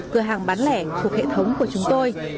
cửa hàng bán lẻ thuộc hệ thống của chúng tôi